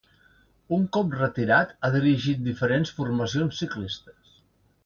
Un cop retirat ha dirigit diferents formacions ciclistes.